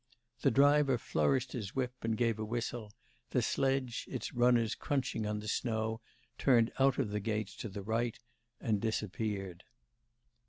The driver flourished his whip, and gave a whistle; the sledge, its runners crunching on the snow, turned out of the gates to the right and disappeared.